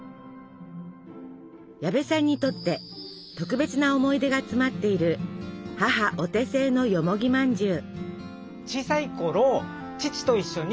矢部さんにとって特別な思い出が詰まっている母お手製のよもぎまんじゅう。